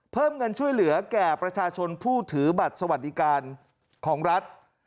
เพิ่มเงินช่วยเหลือแก่ประชาชนผู้ถือบัตรสวัสดิการของรัฐ